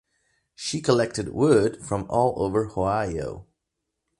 She collected wood from all over Ohio.